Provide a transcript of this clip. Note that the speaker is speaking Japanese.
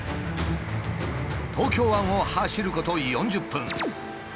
東京湾を走ること４０分。